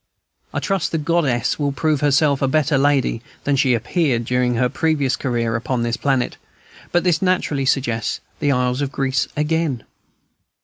I trust the goddess will prove herself a better lady than she appeared during her previous career upon this planet. But this naturally suggests the isles of Greece again.